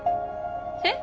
えっ？